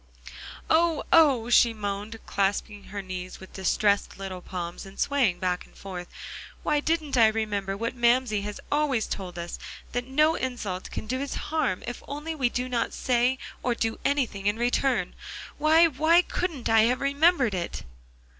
"Oh oh!" she moaned, clasping her knees with distressed little palms, and swaying back and forth, "why didn't I remember what Mamsie has always told us that no insult can do us harm if only we do not say or do anything in return. Why why couldn't I have remembered it?"